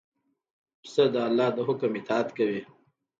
پسه د الله د حکم اطاعت کوي.